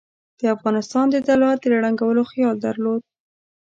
د افغانستان د دولت د ړنګولو خیال درلود.